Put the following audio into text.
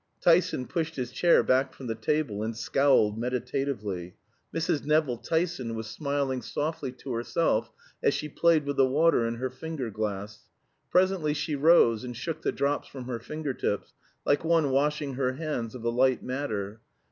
Tyson pushed his chair back from the table and scowled meditatively. Mrs. Nevill Tyson was smiling softly to herself as she played with the water in her finger glass. Presently she rose and shook the drops from her fingertips, like one washing her hands of a light matter.